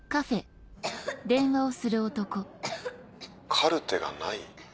カルテがない？